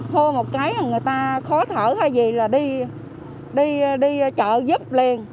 thôi một cái người ta khó thở hay gì là đi chợ giúp liền